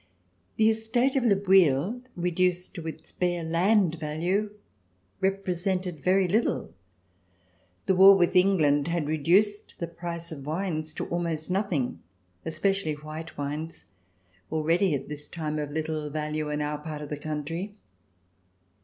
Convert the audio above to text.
The estate of Le Bouilh, reduced to its bare land value, represented very little. The war with C319] RECOLLECTIONS OF THE REVOLUTION England had reduced the price of wines to almost nothing, especially white wines, already at this time of little value in our part of the country.